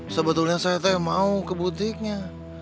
sebetulnya saya mau ke butiknya